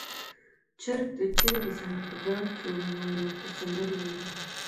چرګ د چرګې څخه په ډار کې و، نو يې ورته سندرې وويلې